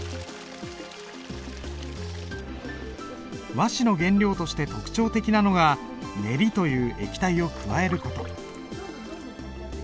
和紙の原料として特徴的なのがネリという液体を加える事。